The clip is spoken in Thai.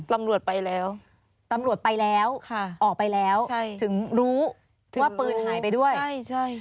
ตำรวจไปแล้วออกไปแล้วถึงรู้ว่าปืนหายไปด้วย